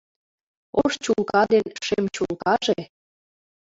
Ош чулка ден шем чулкаже